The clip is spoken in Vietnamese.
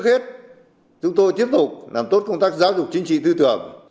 chúng tôi tiếp tục làm tốt công tác giáo dục chính trị tư tưởng